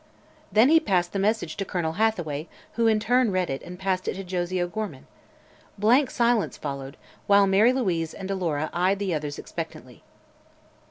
Then he passed the message to Colonel Hathaway, who in turn read it and passed it to Josie O'Gorman. Blank silence followed, while Mary Louise and Alora eyed the others expectantly.